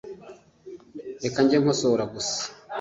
Reka njye nkosora gusa